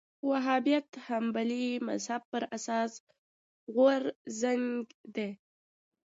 وهابیت حنبلي مذهب پر اساس غورځنګ دی